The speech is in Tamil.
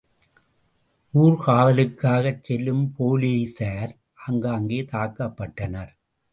ஊர்காவலுக்காகச் செல்லும் போலிசார் ஆங்காங்கேதாக்கப்பட்டனர்.